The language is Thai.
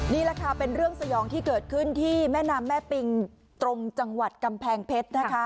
นี่แหละค่ะเป็นเรื่องสยองที่เกิดขึ้นที่แม่น้ำแม่ปิงตรงจังหวัดกำแพงเพชรนะคะ